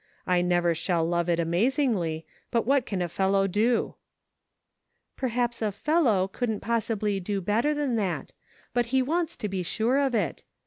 I never shall love it amazingly, but what can a fellow do .^"" Perhaps a ' fellow ' couldn't possibly do better than that ; but he wants to be sure of it.